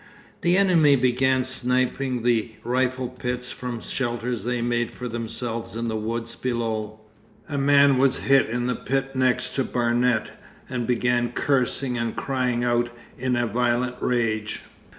The enemy began sniping the rifle pits from shelters they made for themselves in the woods below. A man was hit in the pit next to Barnet, and began cursing and crying out in a violent rage.